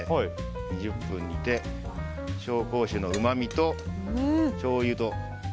２０分煮て紹興酒のうまみとしょうゆと。